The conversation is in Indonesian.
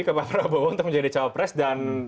ke pak prabowo untuk menjadi calon presiden